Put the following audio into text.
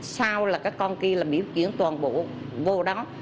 sau là các con kia là miếu chuyển toàn bộ vô đó